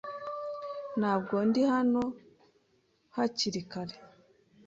Ntabwo ndi hano hakiri kare.